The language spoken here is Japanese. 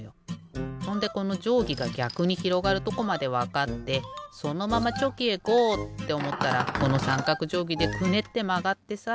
ほんでこのじょうぎがぎゃくにひろがるとこまでわかってそのままチョキへゴー！っておもったらこのさんかくじょうぎでクネッてまがってさ。